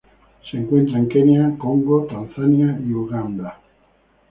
Se encuentra en Kenia Congo, Tanzania y Uganda.